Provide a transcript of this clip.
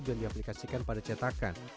dan diaplikasikan pada cetakan